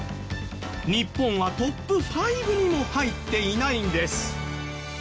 日本はトップ５にも入っていないんです。